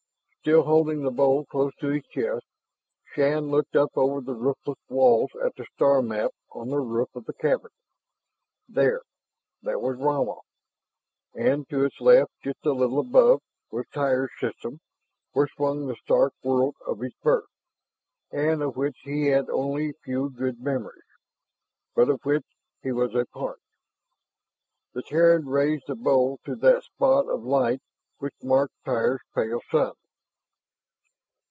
Still holding the bowl close to his chest, Shann looked up over the roofless walls at the star map on the roof of the cavern. There, that was Rama; and to its left, just a little above, was Tyr's system where swung the stark world of his birth, and of which he had only few good memories, but of which he was a part. The Terran raised the bowl to that spot of light which marked Tyr's pale sun.